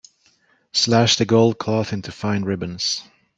Slash the gold cloth into fine ribbons.